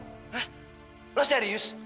hah lo serius